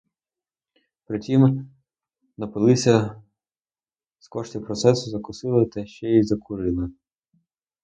При тім напилися з коштів процесу, закусили та ще й закурили.